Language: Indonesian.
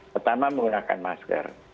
pertama menggunakan masker